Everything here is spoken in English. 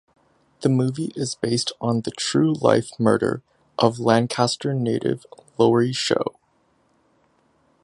The movie is based on the true-life murder of Lancaster native Laurie Show.